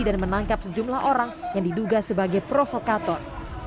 dan menangkap sejumlah orang yang diduga sebagai provokator